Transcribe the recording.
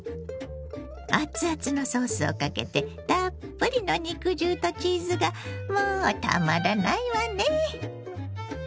熱々のソースをかけてたっぷりの肉汁とチーズがもうたまらないわね！